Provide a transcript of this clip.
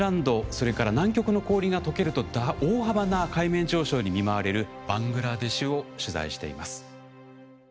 それから南極の氷がとけると大幅な海面上昇に見舞われるバングラデシュを取材しています。